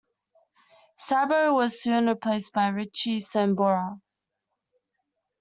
Sabo was soon replaced by Richie Sambora.